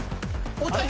おたけ！